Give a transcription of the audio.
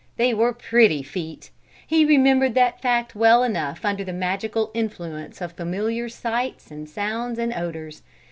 They were pretty feet! He remembered that fact well enough under the magical influence of familiar sights and sounds and odours.